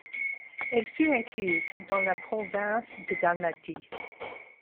Elle fut incluse dans la province de Dalmatie.